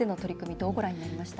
どうご覧になりました？